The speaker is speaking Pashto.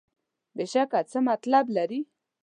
بېشکه څه مطلب لري.